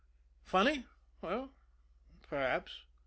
Funny? Well, perhaps.